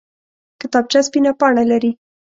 کتابچه سپینه پاڼه لري